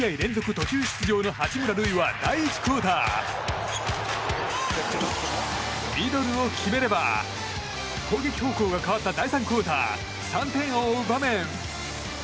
途中出場の八村塁は第１クオーターミドルを決めれば攻撃方向が変わった第３クオーター３点を追う場面。